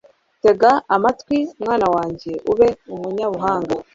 Tega amatwi mwana wanjye ube umunyabuhanga